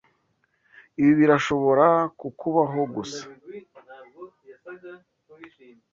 Ibi birashobora kukubaho gusa.